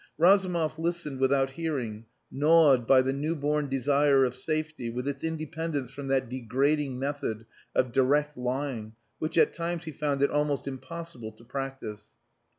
Razumov listened without hearing, gnawed by the newborn desire of safety with its independence from that degrading method of direct lying which at times he found it almost impossible to practice.